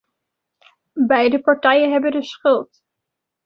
Beide partijen hebben dus schuld.